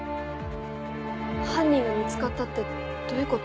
犯人が見つかったってどういうこと？